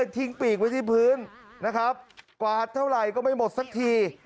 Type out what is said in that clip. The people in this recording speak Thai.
ปีกไว้ที่พื้นนะครับกวาดเท่าไหร่ก็ไม่หมดสักที